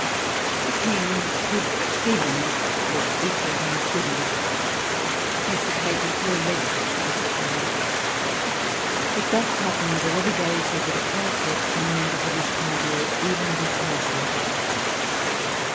The King, whose feebleness was equal to his goodness, hesitated to arrest this torrent. It thus happened that every day saw the departure of some members of his party or even of his household.